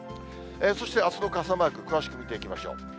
そしてあすの傘マーク、詳しく見ていきましょう。